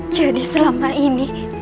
jadi selama ini